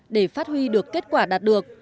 để phát huy được kết quả đạt được